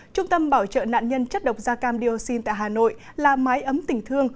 trung tâm bảo trợ nạn nhân chất độc da cam dioxin tại hà nội là mái ấm tình thương